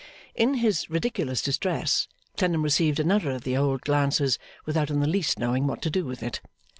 In his ridiculous distress, Clennam received another of the old glances without in the least knowing what to do with it.